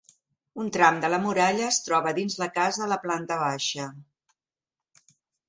Un tram de la muralla es troba dins la casa a la planta baixa.